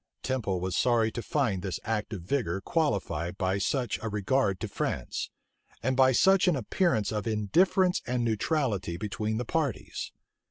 Temple was sorry to find this act of vigor qualified by such a regard to France, and by such an appearance of indifference and neutrality between the parties.